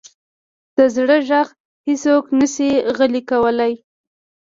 د زړه ږغ هیڅوک نه شي غلی کولی.